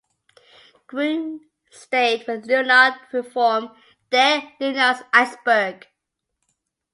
Groome stayed with Leonard to reform "Deke Leonard's Iceberg".